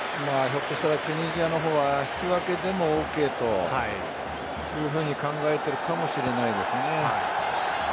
ひょっとしたらチュニジアの方は引き分けでもＯＫというふうに考えているかもしれないですね。